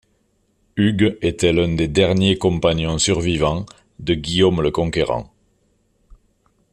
Hugues était l'un des derniers compagnons survivants de Guillaume le Conquérant.